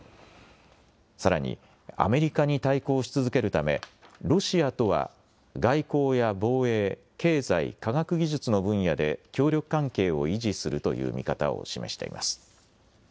さらに、アメリカに対抗し続けるため、ロシアとは外交や防衛、経済、科学技術の分野で協力関係を維持するという見方を示しています。